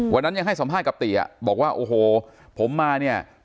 วันนั้นยังให้สัมภาษณ์กับติอ่ะบอกว่าโอ้โหผมมาเนี่ย